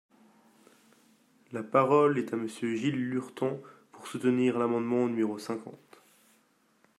La parole est à Monsieur Gilles Lurton, pour soutenir l’amendement numéro cinquante.